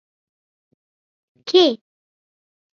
کې